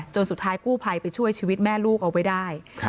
สุดท้ายกู้ภัยไปช่วยชีวิตแม่ลูกเอาไว้ได้